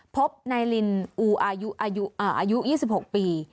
พบนายลินอูอายุ๒๖ปี